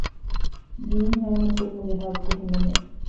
ދީން ހާމަކުރުމުގެ ޙައްޤު ހިމެނޭ